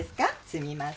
すみません